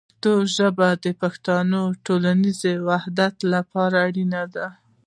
پښتو ژبه د پښتنو د ټولنیز وحدت لپاره اړینه ده.